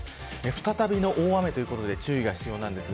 再びの大雨ということで注意が必要です。